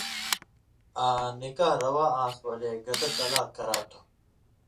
آں نِکاح رَوا آن٘س ولے گتہ طلاق کرا تُھو